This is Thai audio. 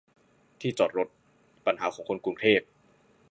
ที่จอดรถ ปัญหาของคนกรุงเทพ